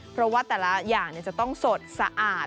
เพราะว่าแต่ละอย่างจะต้องสดสะอาด